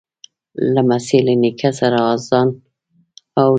لمسی له نیکه سره آذان اوري.